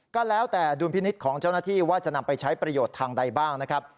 ก็แล้วแต่ดุลพินิษฐ์ของเจ้าหน้าที่ว่าจะนำไปใช้ประโยชน์ทางใดบ้างนะครับ